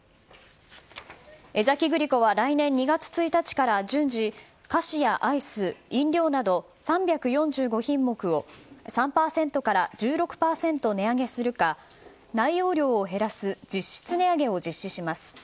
江崎グリコは来年２月１日から順次菓子やアイス、飲料など３４５品目を３％から１６％値上げするか内容量を減らす実質値上げを実施します。